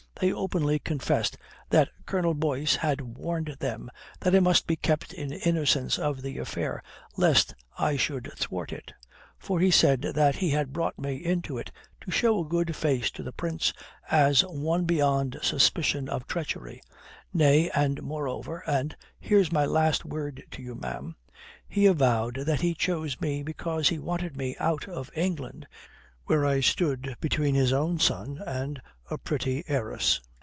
They openly confessed that Colonel Boyce had warned them that I must be kept in innocence of the affair lest I should thwart it. For he said that he had brought me into it to show a good face to the Prince as one beyond suspicion of treachery. Nay and moreover and here's my last word to you, ma'am he avowed that he chose me because he wanted me out of England where I stood between his own son and a pretty heiress.